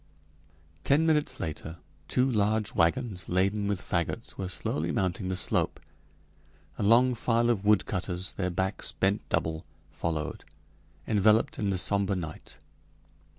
Ten minutes later two large wagons laden with fagots were slowly mounting the slope. A long file of woodcutters, their backs bent double, followed, enveloped in the somber night.